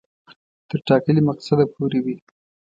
تر ټاکلي مقصده پوري وي.